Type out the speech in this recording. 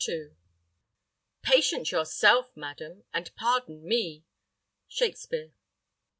Patient yourself, madam, and pardon me. Shakspere.